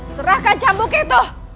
serahkan cambuk itu